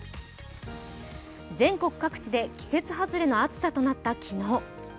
全国各地で季節外れの暑さとなった昨日。